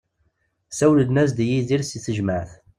Sawlen-as-d i Yidir si tejmaɛt.